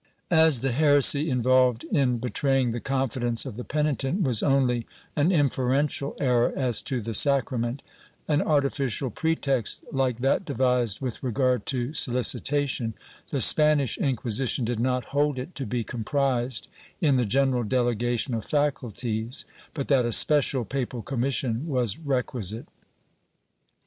^ As the heresy involved in betraying the confidence of the penitent was only an inferential error as to the sacrament — an artificial pretext like that devised with regard to solicitation— the Spanish Inquisition did not hold it to be comprised in the general delegation of faculties, but that a special papal commission was requisite.